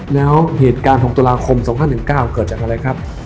แล้วเหตุการณ์๖ตุลาคม๒๕๑๙เกิดจากอะไรครับ